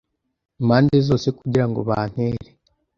impande zose kugira ngo bantere